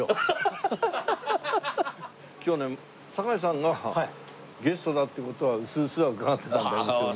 今日ね堺さんがゲストだっていう事はうすうすは伺ってたんでありますけどね。